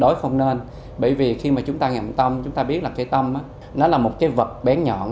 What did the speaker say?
đối không nên bởi vì khi mà chúng ta ngậm tăm chúng ta biết là cái tăm nó là một cái vật bén nhọn